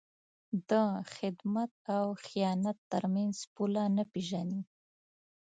د خدمت او خیانت تر منځ پوله نه پېژني.